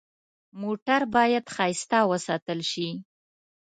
موټر باید ښایسته وساتل شي.